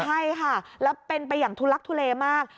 ใช่ค่ะแล้วเป็นไปอย่างทุลักทุเลมาก